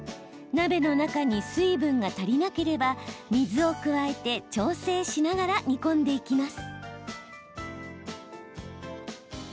鍋の中に水分が足りなければ水を加えて調整しながら煮込んでいきます。